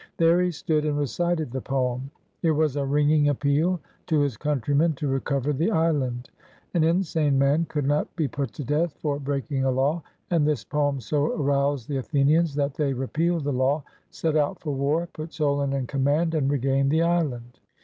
There he stood and recited the poem. It was a ringing appeal to his countrymen to recover the island. An insane man could not be put to death for breaking a law; and this poem so aroused the Athenians that they repealed the law, set out for war, put Solon in command, and regained the island.